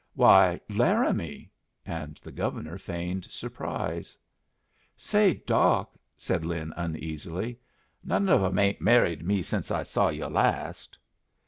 "Why, Laramie!" and the Governor feigned surprise. "Say, Doc," said Lin, uneasily, "none of 'em ain't married me since I saw yu' last."